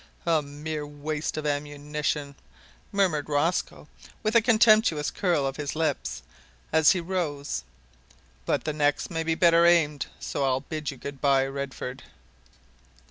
"A mere waste of ammunition," murmured Rosco, with a contemptuous curl of his lip, as he rose. "But the next may be better aimed, so I'll bid you good bye, Redford!"